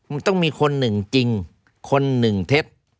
มันต้องมีคนหนึ่งจริงคนหนึ่งเท็จ